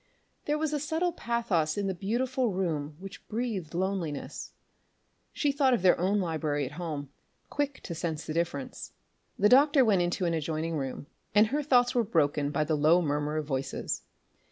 There was a subtle pathos in a beautiful room which breathed loneliness. She thought of their own library at home, quick to sense the difference. The doctor went into an adjoining room, and her thoughts were broken by the low murmur of voices.